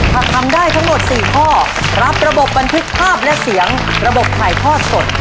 ถ้าทำได้ทั้งหมด๔ข้อรับระบบบันทึกภาพและเสียงระบบถ่ายทอดสด